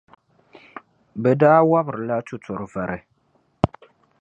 Bɛ daa wɔbiri la tuturi vari.